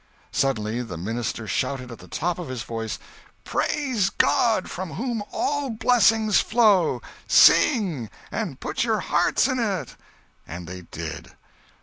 Suddenly the minister shouted at the top of his voice: "Praise God from whom all blessings flow—sing!—and put your hearts in it!" And they did.